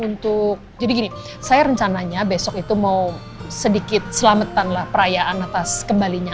untuk jadi gini saya rencananya besok itu mau sedikit selamatan lah perayaan atas kembalinya